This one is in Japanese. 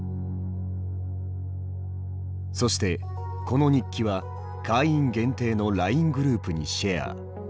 そしてこの日記は会員限定のＬＩＮＥグループにシェア。